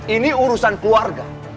ini urusan keluarga